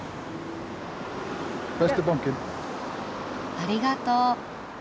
ありがとう。